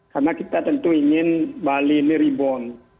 karena kita tentu ingin bali ini reborn